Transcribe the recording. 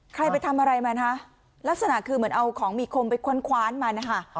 ใครไปทำอะไรมานะลักษณะคือเหมือนเอาของมีคมไปคว้านมันนะคะ